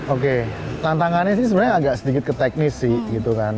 oke tantangannya sih sebenarnya agak sedikit ke teknis sih gitu kan